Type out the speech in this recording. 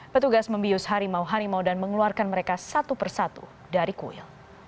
petugas membius harimau harimau dan mengeluarkan mereka satu persatu dari kuil